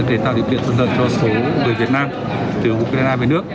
để tạo điều kiện thuận lợi cho số người việt nam từ ukraine về nước